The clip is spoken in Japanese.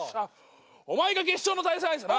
お前が決勝の対戦相手だな。